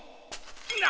何？